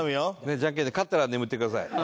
ジャンケンで勝ったら眠ってください。